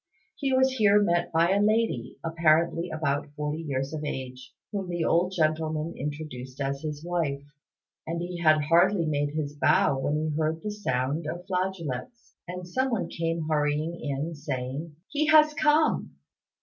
He was here met by a lady, apparently about forty years of age, whom the old gentleman introduced as his wife; and he had hardly made his bow when he heard the sound of flageolets, and someone came hurrying in, saying, "He has come!"